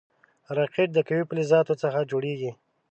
راکټ د قوي فلزاتو څخه جوړېږي